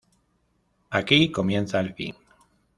Aquí comienza el fin.